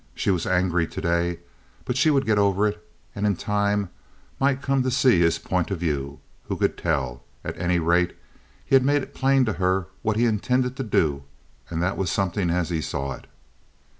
She was angry to day, but she would get over it, and in time might come to see his point of view. Who could tell? At any rate he had made it plain to her what he intended to do and that was something as he saw it.